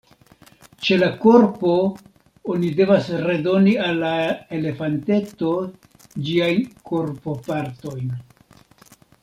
Ĉe la korpo oni devas redoni al la elefanteto ĝiajn korpopartojn.